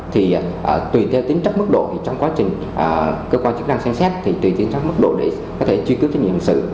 thì tùy theo tính chất mức độ thì trong quá trình cơ quan chức năng xem xét thì tùy tính chất mức độ để có thể truy cướp thách nhiệm hành sự